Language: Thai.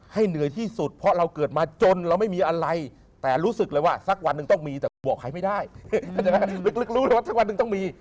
เหนื่อยที่สุดเพราะเราเกิดมาจนเราไม่มีอะไรแต่รู้สึกเลยว่าสักวันหนึ่งต้องมีแต่กูบอกใครไม่ได้ลึกรู้เลยว่าสักวันหนึ่งต้องมี